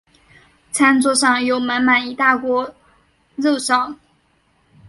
餐桌上有满满一大锅肉燥